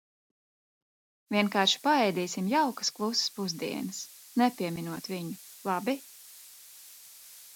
Vienkārši paēdīsim jaukas, klusas pusdienas, nepieminot viņu, labi?